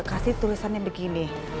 kasih tulisannya begini